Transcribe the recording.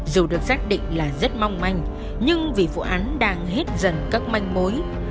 dù được xác định là rất mong manh nhưng vì vụ án đang hết dần các manh mối